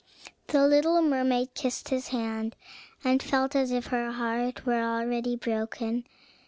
The little mermaid kissed his hand, and felt as if her heart were already broken.